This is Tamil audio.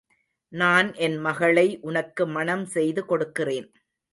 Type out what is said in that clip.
நான் என் மகளை உனக்கு மணம் செய்து கொடுக்கிறேன்.